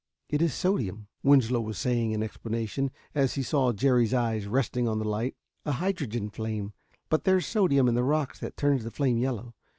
"It is sodium," Winslow was saying in explanation, as he saw Jerry's eyes resting on the light. "A hydrogen flame, but there's sodium in the rocks that turns the flame yellow.